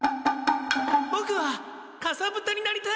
ボクはかさぶたになりたい！